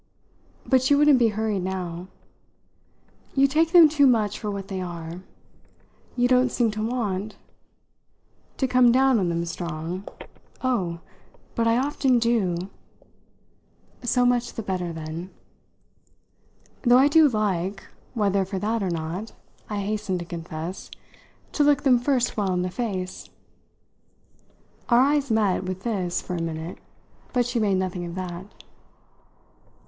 But she wouldn't be hurried now. "You take them too much for what they are. You don't seem to want " "To come down on them strong? Oh, but I often do!" "So much the better then." "Though I do like whether for that or not," I hastened to confess, "to look them first well in the face." Our eyes met, with this, for a minute, but she made nothing of that.